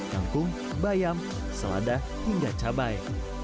kangkung bayam selada hingga cabai